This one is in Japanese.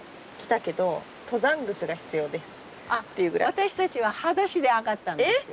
私たちははだしで上がったんですよ。